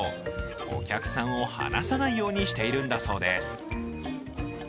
お客さんを離さないようにしているんだそうです。